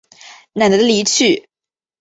奶奶的离去